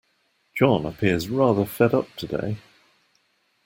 John appears rather fed up today